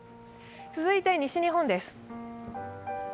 続いて西日本です。